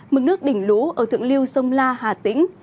mực nước đỉnh lũ ở thượng lưu sông la hà tĩnh